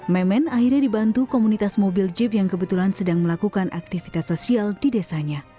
memen akhirnya dibantu komunitas mobil jeep yang kebetulan sedang melakukan aktivitas sosial di desanya